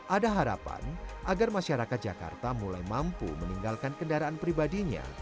ada harapan agar masyarakat jakarta mulai mampu meninggalkan kendaraan pribadinya